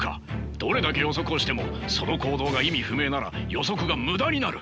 どれだけ予測をしてもその行動が意味不明なら予測が無駄になる。